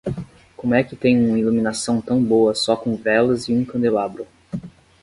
Como é que tem um iluminação tão boa só com velas e um candelabro?